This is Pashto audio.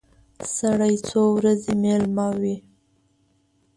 سړی څو ورځې مېلمه وي.